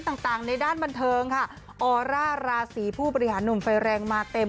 ต่างต่างในด้านบันเทิงค่ะออร่าราศีผู้บริหารหนุ่มไฟแรงมาเต็ม